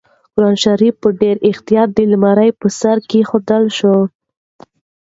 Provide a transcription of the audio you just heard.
قرانشریف په ډېر احتیاط د المارۍ په سر کېښودل شو.